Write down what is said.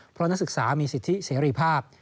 เพราะนักศึกษามีสิทธิเสรีภาพ